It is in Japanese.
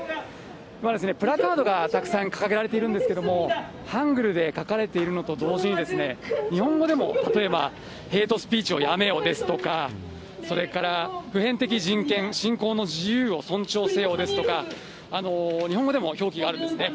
今、プラカードがたくさん掲げられているんですけれども、ハングルで書かれているのと同時に、日本語でも例えばヘイトスピーチをやめよですとか、それから普遍的人権、信仰の自由を尊重せよですとか、日本語でも表記があるんですね。